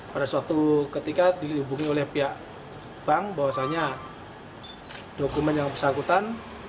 pada suatu ketika dihubungi oleh pihak bank bahwasannya dokumen yang bersangkutan